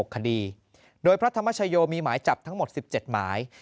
คดีโดยพระธรรมชโยมีหมายจับทั้งหมด๑๗หมาย